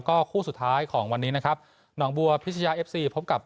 ก็คู่สุดท้ายของวันนี้นะครับหนองบัวพิชยาเอฟซีพบกับ